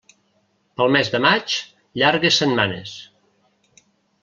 Pel mes de maig, llargues setmanes.